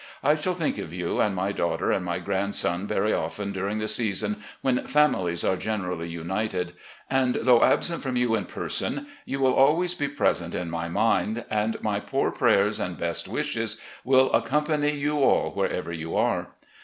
I shall think of you and my daughter and my grandson very often during the season when families are generally united, and though absent from you in person, you will always be present in mind, and my poor prayers and best wishes will accompany you all wherever you are.